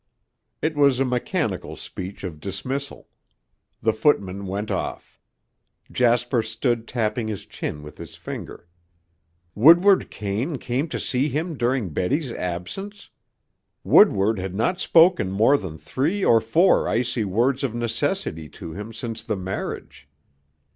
It was a mechanical speech of dismissal. The footman went off. Jasper stood tapping his chin with his finger. Woodward Kane come to see him during Betty's absence! Woodward had not spoken more than three or four icy words of necessity to him since the marriage.